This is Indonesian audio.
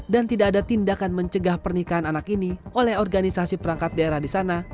dan tidak ada tindakan mencegah pernikahan anak ini oleh organisasi perangkat daerah di sana